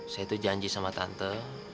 saya itu janji sama tante